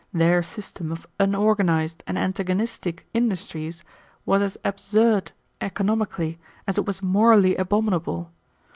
Their system of unorganized and antagonistic industries was as absurd economically as it was morally abominable.